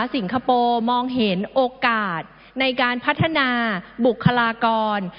สิงคโปร์มองเห็นโอกาสในการพัฒนาบุคลากร